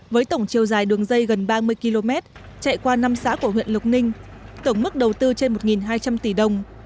với tổng chiều dài đường dây gần ba mươi km chạy qua năm xã của huyện lộc ninh tổng mức đầu tư trên một hai trăm linh tỷ đồng